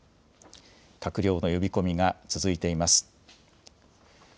閣僚の呼び込みが続いています。